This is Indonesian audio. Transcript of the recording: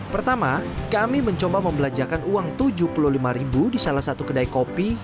pertama kami mencoba membelanjakan uang rp tujuh puluh lima di salah satu kedai kopi